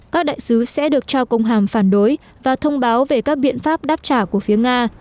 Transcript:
các đại sứ sẽ được trao công hàm phản đối và thông báo về các biện pháp đáp trả của phía nga